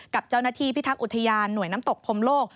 กับเจ้าหน้าที่พิทักษ์อุทยานหน่วยน้ำตกพรมโลก